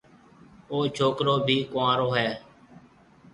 او ڇوڪرو ڀِي ڪنوارو هيَ۔